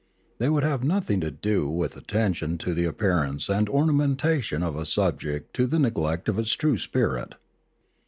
They would have nothing to do with attention to the appearance and ornamentation of a subject to the neglect of its true spirit.